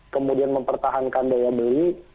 kemudian mempertahankan daya beli